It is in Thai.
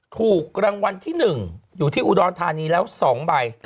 ถูกรางวัลที่๑อยู่ที่อุดรธานีแล้ว๒ใบ